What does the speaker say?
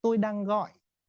tôi đang gọi